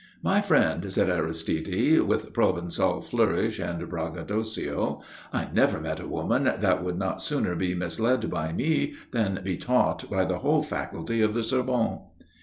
"My friend," said Aristide, with Provençal flourish and braggadocio, "I never met a woman that would not sooner be misled by me than be taught by the whole Faculty of the Sorbonne."